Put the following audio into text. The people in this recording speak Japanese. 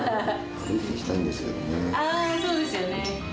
あー、そうですよねー。